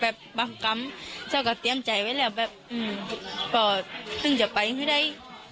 แล้วก็กลัวเมื่อก่อนเดี๋ยวตั้งก็ได้และก็เลยแบบกลัวสั่งเสียกันเรื่อย